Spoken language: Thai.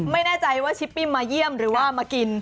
ไม่แน่ใจว่าชิปปี้มาเยี่ยมหรือว่ามากิน